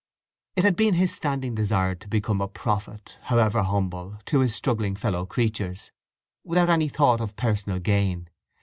It had been his standing desire to become a prophet, however humble, to his struggling fellow creatures, without any thought of personal gain.